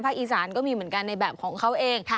อีสานก็มีเหมือนกันในแบบของเขาเอง